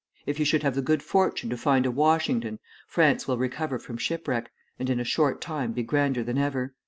If you should have the good fortune to find a Washington, France will recover from shipwreck, and in a short time be grander than ever."